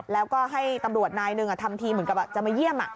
แล้วก็ให้ตำรวจนายหนึ่งทำทีเหมือนกับจะมาเยี่ยม